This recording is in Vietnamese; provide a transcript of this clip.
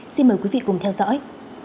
xin mời quý vị cùng theo dõi